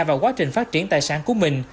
vào quá trình phát triển tài sản của mình